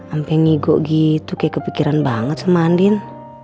ampe ngigo gitu kayak kepikiran banget sama andin